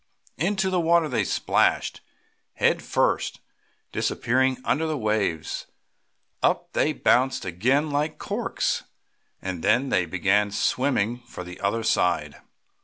Into the water they splashed, head first, disappearing under the waves. Up they bounced again, like corks, and then they began swimming for the other side.